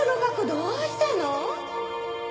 どうしたの？